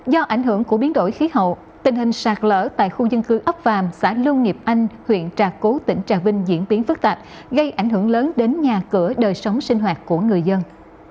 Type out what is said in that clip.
do ảnh hưởng của biến đổi khí hậu tình hình sạt lở tại khu dân cư ấp vàm xã lưu nghiệp anh huyện trà cú tỉnh trà vinh diễn biến phức tạp gây ảnh hưởng lớn đến nhà cửa đời sống sinh hoạt của người dân